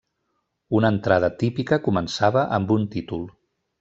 Una entrada típica començava amb un títol.